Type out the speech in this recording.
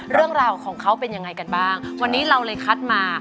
เรื่องราวของเขาเป็นยังไงกันบ้างวันนี้เราเลยคัดมา